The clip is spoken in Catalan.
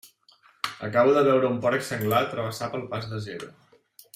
Acabo de veure un porc senglar travessar pel pas de zebra.